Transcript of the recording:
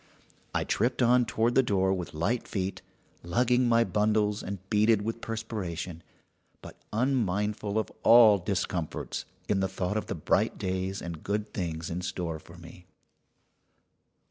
I tripped on toward the door with light feet, lugging my bundles, and beaded with perspiration, but unmindful of all discomforts in the thought of the bright days and good things in store for me.